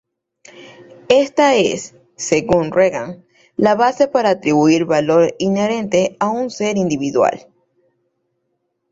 Esta es, según Regan, la base para atribuir valor inherente a un ser individual.